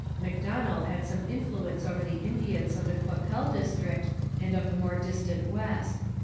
Macdonell had some influence over the Indians of the Qu'Appelle district and of the more distant west.